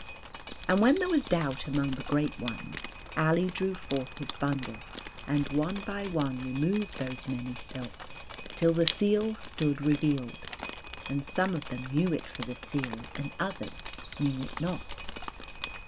And when there was doubt among the great ones Ali drew forth his bundle and one by one removed those many silks till the seal stood revealed; and some of them knew it for the seal and others knew it not.